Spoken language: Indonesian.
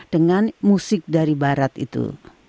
dengan musik dari barat itu